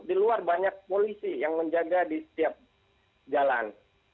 di luar banyak polisi yang menjaga di setiap jalan